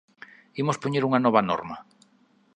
Imos poñer unha nova norma